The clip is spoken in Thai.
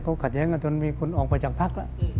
ก็กัดแย้งจนมีคนออกไปจากภักดิ์